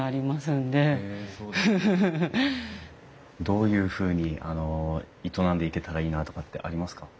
どういうふうに営んでいけたらいいなとかってありますか？